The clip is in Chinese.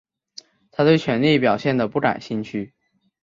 他对权力表现得不感兴趣。